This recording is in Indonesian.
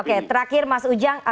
oke terakhir mas ujang